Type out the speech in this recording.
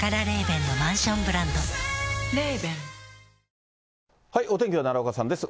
雷雨など、お天気は奈良岡さんです。